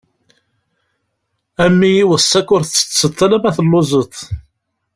A mmi iweṣṣa-k ur tettetteḍ alemma telluẓeḍ.